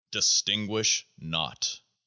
Distinguish not !